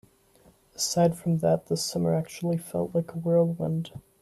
Aside from that, this summer actually felt like a whirlwind.